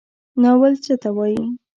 ناول څه ته وایي؟